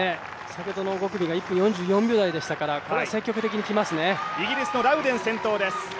先ほどの５組が１分４４秒台でしたからイギリスのラウデンが先頭です。